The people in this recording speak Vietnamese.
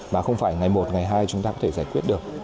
mà không phải ngày một ngày hai chúng ta có thể giải quyết được